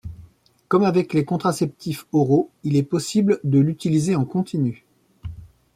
Comme avec les contraceptifs oraux, il est possible de l'utiliser en continu.